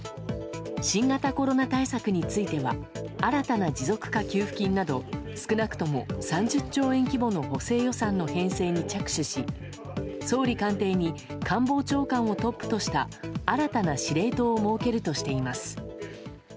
新型コロナ対策については新たな持続化給付金など少なくとも３０兆円規模の補正予算の編成に着手し総理官邸に官房長官をトップとした新たな司令塔を設けるとしています。